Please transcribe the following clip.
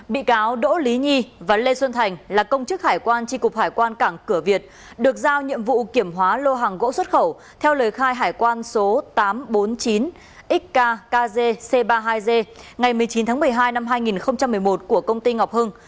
bị cáo đỗ lý nhi và lê xuân thành là công chức hải quan tri cục hải quan cảng cửa việt được giao nhiệm vụ kiểm hóa lô hàng gỗ xuất khẩu theo lời khai hải quan số tám trăm bốn mươi chín xk ba mươi hai g ngày một mươi chín tháng một mươi hai năm hai nghìn một mươi một của công ty ngọc hưng